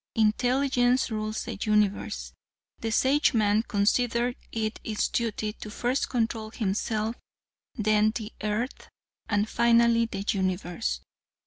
Intelligence rules the universe. The Sageman considered it his duty to first control himself, then the earth, and finally the universe.